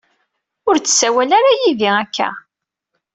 Ur d-ssawal ara yid-i akka.